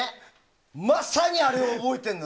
まさにあれ、覚えてるの。